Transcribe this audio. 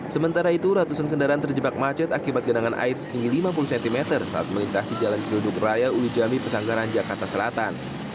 sementara itu ratusan kendaraan terjebak macet akibat genangan air setinggi lima puluh cm saat melintasi jalan celuduk raya ulu jami pesanggaran jakarta selatan